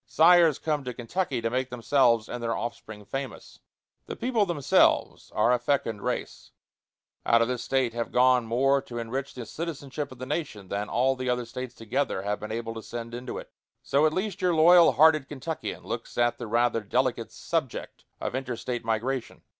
Sires come to Kentucky to make themselves and their offspring famous. The people themselves are a fecund race. Out of this State have gone more to enrich the citizenship of the nation than all the other States together have been able to send into it. So at least your loyal hearted Kentuckian looks at the rather delicate subject of inter State migration.